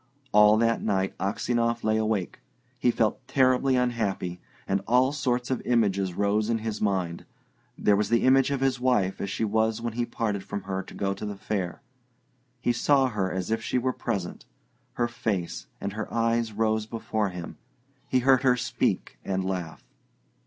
All that night Aksionov lay awake. He felt terribly unhappy, and all sorts of images rose in his mind. There was the image of his wife as she was when he parted from her to go to the fair. He saw her as if she were present; her face and her eyes rose before him; he heard her speak and laugh.